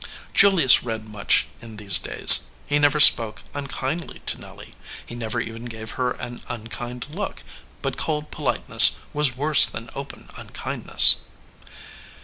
Julius read much in these days. He never spoke unkindly to Nelly. He never even gave her an unkind look; but cold politeness was worse than open unkindness.